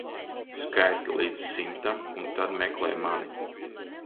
Skaiti līdz simtam un tad meklē mani.